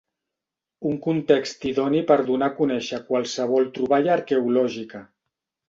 Un context idoni per donar a conèixer qualsevol troballa arqueològica.